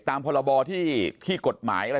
ตามพอรบอที่ที่กฎหมายแหละ